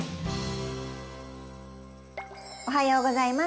おはようございます。